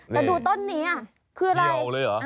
แต่ดูต้นนี้คืออะไร